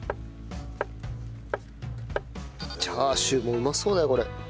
チャーシューもうまそうだよこれ。